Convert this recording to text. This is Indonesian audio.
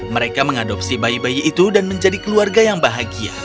mereka mengadopsi bayi bayi itu dan menjadi keluarga yang bahagia